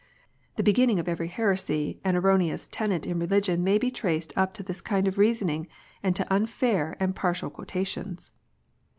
The beginning of every heresy and erroneous tenet in religion may be trace( up to this kind of reasoning, and to unfair and partial quota tions.